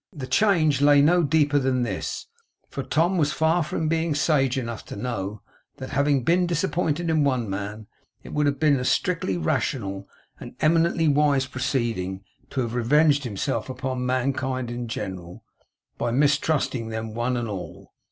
The change lay no deeper than this, for Tom was far from being sage enough to know, that, having been disappointed in one man, it would have been a strictly rational and eminently wise proceeding to have revenged himself upon mankind in general, by mistrusting them one and all.